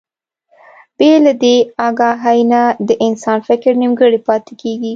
بې له دې اګاهي نه د انسان فکر نيمګړی پاتې کېږي.